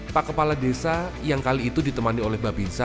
pak kepala desa yang kali itu ditemani oleh babinsa